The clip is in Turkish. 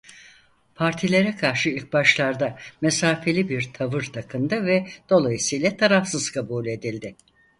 Partilere karşı ilk başlarda mesafeli bir tavır takındı ve dolayısıyla "tarafsız" kabul edildi.